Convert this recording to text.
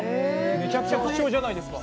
めちゃくちゃ貴重じゃないですか。